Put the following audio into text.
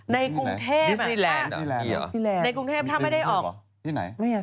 ในกรุงเทพนี่แหละในกรุงเทพถ้าไม่ได้ออกที่ไหน